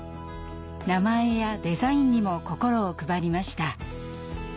名前やデザインにも心を配りました。